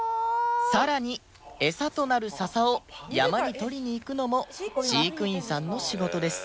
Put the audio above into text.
さらにエサとなるササを山に採りに行くのも飼育員さんの仕事です